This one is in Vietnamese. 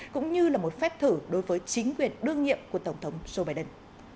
cũng như là một phép thử đối với chính quyền đương nhiệm của tổng thống joe biden